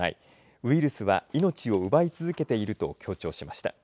ウイルスは命を奪い続けていると強調しました。